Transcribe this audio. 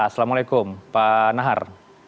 assalamu'alaikum pak nahar